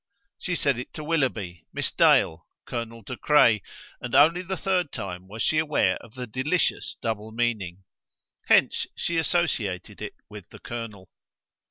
She said it to Willoughby, Miss Dale, Colonel De Craye, and only the third time was she aware of the delicious double meaning. Hence she associated it with the colonel.